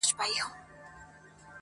نه د عقل نه د کار وه نه د کور وه -